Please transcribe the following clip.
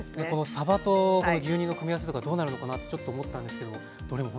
さばとこの牛乳の組み合わせとかどうなるのかなとちょっと思ったんですけどもどれもほんとにおいしかったです。